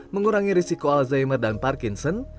mengurangi risiko alzheimer dan parkinson